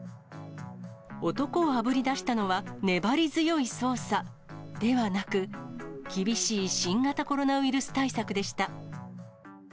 男をあぶり出したのは、粘り強い捜査、ではなく、厳しい新型コロナウイルス対策でした。